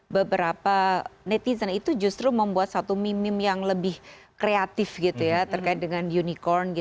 beberapa netizen itu justru membuat satu meme meme yang lebih kreatif gitu ya terkait dengan unicorn